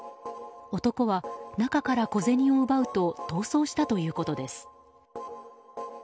男は中から小銭を奪うと逃走したということです。